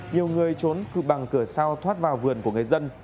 nhiều người trốn bằng cửa sau thoát vào vườn của người dân